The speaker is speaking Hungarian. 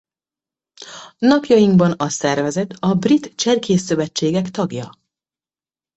Napjainkban a szervezet a Brit Cserkészszövetségek tagja.